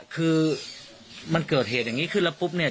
คือมันเกิดเหตุอย่างนี้ขึ้นแล้วปุ๊บเนี่ย